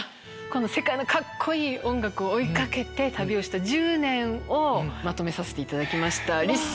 この世界のカッコいい音楽を追い掛けて旅をした１０年をまとめさせていただきました。